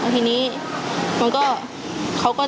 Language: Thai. ทีนี้มันก็